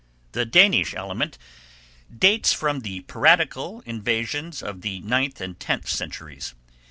The Danish element dates from the piratical invasions of the ninth and tenth centuries.